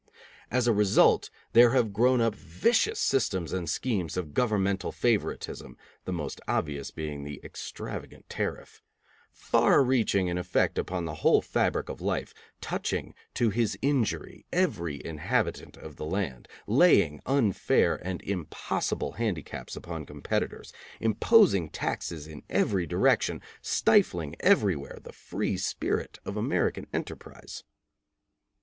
As a result, there have grown up vicious systems and schemes of governmental favoritism (the most obvious being the extravagant tariff), far reaching in effect upon the whole fabric of life, touching to his injury every inhabitant of the land, laying unfair and impossible handicaps upon competitors, imposing taxes in every direction, stifling everywhere the free spirit of American enterprise.